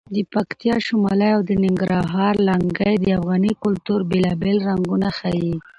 د پکتیا شملې او د ننګرهار لنګۍ د افغاني کلتور بېلابېل رنګونه ښیي.